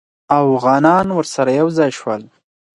اوغانان ورسره یو ځای شول.